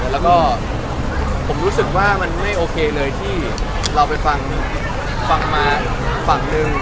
แล้วก็ผมรู้สึกว่ามันไม่โอเคเลยที่เราไปฟังมาฝั่งหนึ่ง